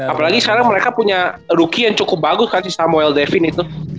apalagi sekarang mereka punya rookie yang cukup bagus nanti samuel devin itu